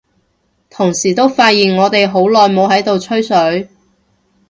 同時都發現我哋好耐冇喺度吹水，